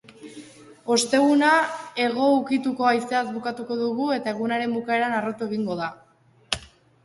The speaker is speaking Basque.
Osteguna, hego ukituko haizeaz bukatuko dugu eta egunaren bukaeran harrotu egingo da.